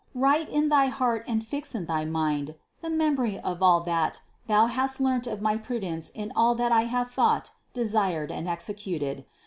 Write in thy heart and fix in thy mind the memory of all that thou hast learnt of my prudence in all that I have thought, desired and executed.